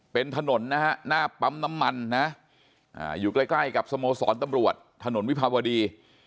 เป็นถนนนะฮะหน้าปั๊มน้ำมันนะอยู่ใกล้กับสโมสรตำรวจถนนวิภาวดี